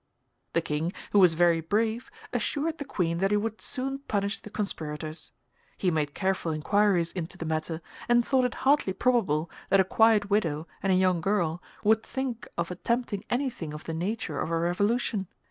The King, who was very brave, assured the Queen that he would soon punish the conspirators. He made careful inquiries into the matter, and thought it hardly probable that a quiet widow and a young girl would think of attempting anything of the nature of a revolution.